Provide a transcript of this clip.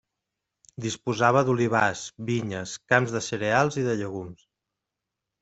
Disposava d'olivars, vinyes, camps de cereals i de llegums.